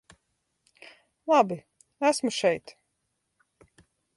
Labi, esmu šeit.